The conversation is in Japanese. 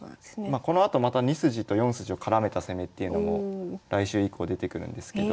まあこのあとまた２筋と４筋を絡めた攻めっていうのも来週以降出てくるんですけど。